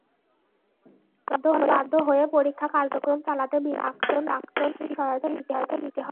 তখন বাধ্য হয়ে পরীক্ষা কার্যক্রম চালাতে বিদ্যালয়ের প্রাক্তন শিক্ষার্থীদের সহায়তা নিতে হয়।